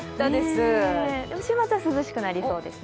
週末は涼しくなりそうです。